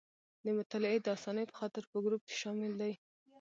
د مطالعې د اسانۍ په خاطر په ګروپ کې شامل دي.